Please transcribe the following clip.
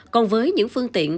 còn với những phương tiện